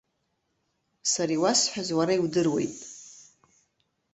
Сара изуасҳәаз уара иудыруеит.